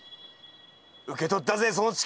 受け取ったぜその力！